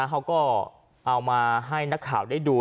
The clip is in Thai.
เขาก็เอามาให้นักข่าวได้ดู